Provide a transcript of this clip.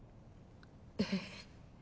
えっ！？